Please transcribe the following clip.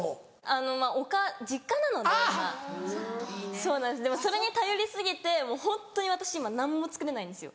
そうなんですでもそれに頼り過ぎてホントに私今何も作れないんですよ